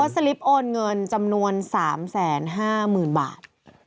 สลิปโอนเงินจำนวน๓๕๐๐๐บาท